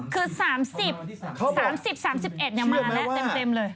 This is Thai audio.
คือ๓๐๓๐๓๑มาแล้วเต็มเลย